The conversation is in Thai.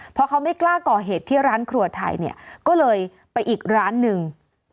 เพราะเขาไม่กล้าก่อเหตุที่ร้านครัวไทยเนี่ยก็เลยไปอีกร้านหนึ่ง